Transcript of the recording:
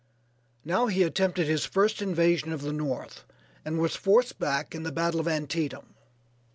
Now he attempted his first invasion of the North, and was forced back in the battle of Antietam.